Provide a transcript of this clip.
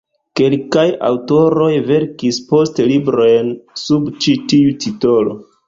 Kelkaj aŭtoroj verkis poste librojn sub ĉi tiu titolo.